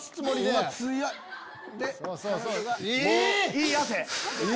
いい汗！